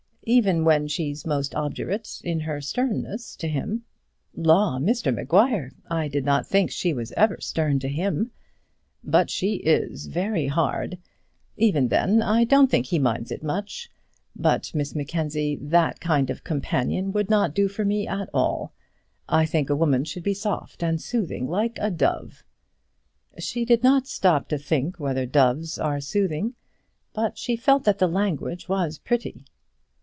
Even when she's most obdurate in her sternness to him " "Law! Mr Maguire, I did not think she was ever stern to him." "But she is, very hard. Even then I don't think he minds it much. But, Miss Mackenzie, that kind of companion would not do for me at all. I think a woman should be soft and soothing, like a dove." She did not stop to think whether doves are soothing, but she felt that the language was pretty.